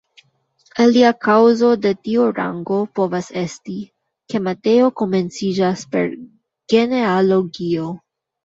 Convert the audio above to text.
Alia kaŭzo de tiu rango povas esti, ke Mateo komenciĝas per genealogio.